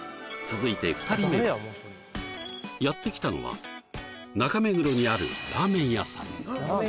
続いて２人目やって来たのは中目黒にあるラーメン屋さん